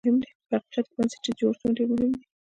په حقیقت کې بنسټیز جوړښتونه ډېر مهم دي.